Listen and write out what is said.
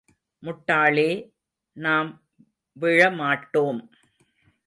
முட்டாளே, நாம் விழமாட்டோம்.